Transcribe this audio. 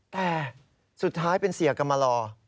แต่สุดท้ายเป็นเสียกรรมลอ